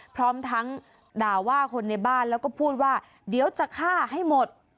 พร้อมทั้งด่าว่าคนในบ้านแล้วก็พูดว่าเดี๋ยวจะฆ่าให้หมด